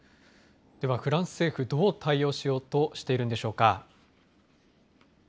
では、フランス政府、どう対応しようとしているんでしょうか。